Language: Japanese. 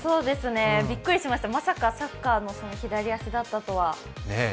びっくりしました、まさかサッカーの左足だったとは。